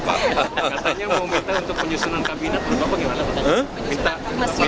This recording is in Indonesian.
katanya mau minta untuk penyusunan kabinet